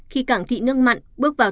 khi cảng thị nước mặn bước vào